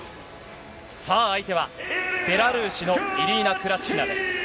さあ、相手は、ベラルーシのイリーナ・クラチキナです。